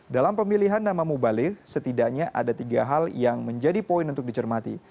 dalam pemilihan nama mubalik setidaknya ada tiga hal yang menjadi poin untuk dicermati